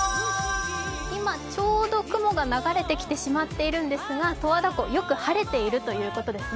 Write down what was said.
今、ちょうど雲が流れてきてしまっていますが十和田湖、よく晴れているということですね。